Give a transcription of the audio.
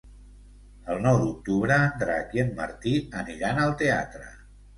El nou d'octubre en Drac i en Martí aniran al teatre.